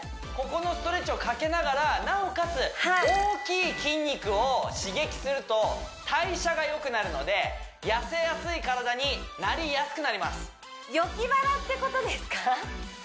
ここのストレッチをかけながらなおかつ大きい筋肉を刺激すると代謝がよくなるので痩せやすい体になりやすくなりますよき腹ってことですか？